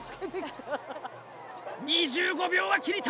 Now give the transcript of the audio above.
２５秒は切りたい！